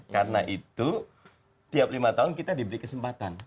karena itu tiap lima tahun kita diberi kesempatan